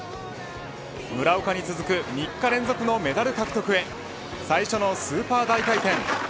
村岡に続く３日連続のメダル獲得へ最初のスーパー大回転。